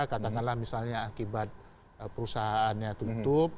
katakanlah misalnya akibat perusahaannya tutup